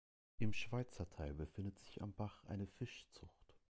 Im Schweizer Teil befindet sich am Bach eine Fischzucht.